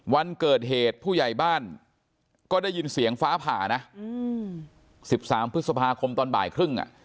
วันเกิดเหตุผู้ใหญ่บ้านก็ได้ยินเสียงฟ้าผ่านะ๑๓พฤษภาคมตอนบ่ายครึ่ง